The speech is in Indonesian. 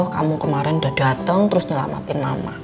kamu kemarin udah datang terus nyelamatin mama